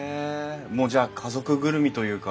もうじゃあ家族ぐるみというか。